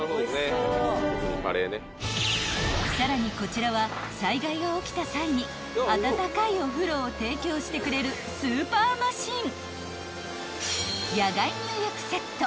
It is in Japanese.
［さらにこちらは災害が起きた際に温かいお風呂を提供してくれるスーパーマシン］